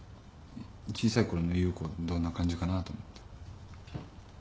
小さいころの優子どんな感じかなと思って。